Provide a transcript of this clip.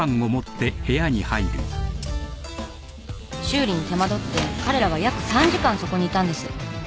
修理に手間取って彼らは約３時間そこにいたんです。